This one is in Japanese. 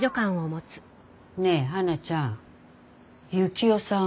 ねえ花ちゃん幸男さん